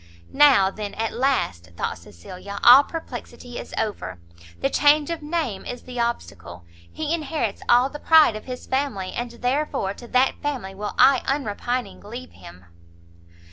Now, then, at last, thought Cecilia, all perplexity is over! the change of name is the obstacle; he inherits all the pride of his family, and therefore to that family will I unrepining leave him!